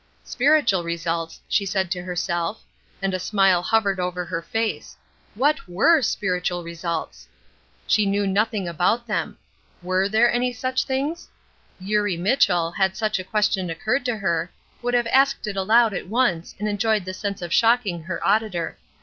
"Spiritual results," she said to herself, and a smile hovered over her face what were "spiritual results?" She knew nothing about them. Were there any such things? Eurie Mitchell, had such a question occurred to her, would have asked it aloud at once and enjoyed the sense of shocking her auditor.